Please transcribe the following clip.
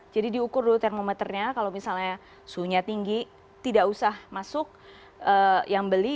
jadi diukur dulu termometernya kalau misalnya suhunya tinggi tidak usah masuk yang beli